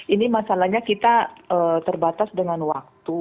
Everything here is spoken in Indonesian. ini masalahnya kita terbatas dengan waktu